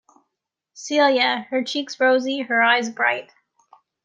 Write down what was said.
Celia, her cheeks rosy, her eyes bright.